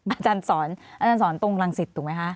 อาจารย์สอนตรงกลางสิทธิ์ถูกไหมคะ